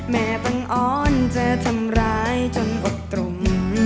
แหมตั้งอ้อนจะทำร้ายจนอดตลม